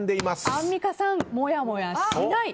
アンミカさん、もやもやしない。